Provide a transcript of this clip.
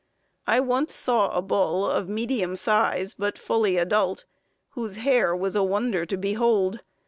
I once saw a bull, of medium size but fully adult, whose hair was a wonder to behold.